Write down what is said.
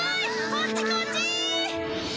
こっちこっち！